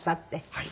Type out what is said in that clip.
はい。